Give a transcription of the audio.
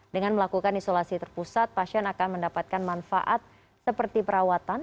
dengan melakukan isolasi terpusat pasien akan mendapatkan manfaat seperti perawatan